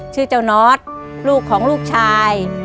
ชื่อเจ้าน็อตลูกของลูกชาย